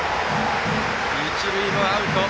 一塁もアウト。